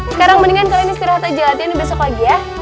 sekarang mendingan kalian istirahat aja latihan besok pagi ya